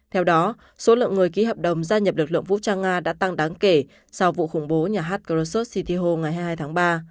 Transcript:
theo đó số lượng người ký hợp đồng gia nhập lực lượng vũ trang nga đã tăng đáng kể sau vụ khủng bố nhà hát krosos city ho ngày hai mươi hai tháng ba